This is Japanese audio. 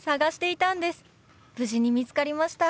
無事に見つかりました。